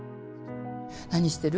何してる？